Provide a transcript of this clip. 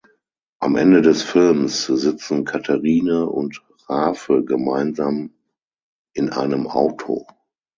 Am Ende des Films sitzen Katherine und Rafe gemeinsam in einem Auto.